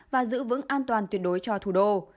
và giữ vững an toàn tuyệt đối cho thủ đô